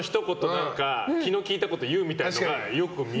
何か気の利いたこと言うみたいのがよく見る。